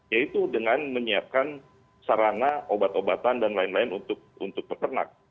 yaitu dengan menyiapkan sarana obat obatan dan lain lain untuk peternak